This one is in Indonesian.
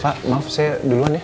pak maaf saya duluan ya